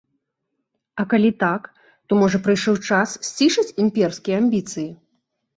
А калі так, то можа, прыйшоў час сцішыць імперскія амбіцыі?